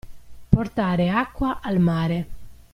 Portare acqua al mare.